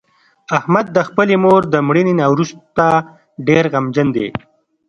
احمد د خپلې مور د مړینې نه ورسته ډېر غمجن دی.